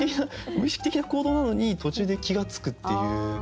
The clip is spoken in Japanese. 無意識的な行動なのに途中で気が付くっていう。